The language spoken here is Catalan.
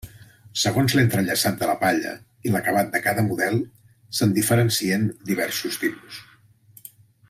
Segons l'entrellaçat de la palla i l'acabat de cada model, se'n diferencien diversos tipus.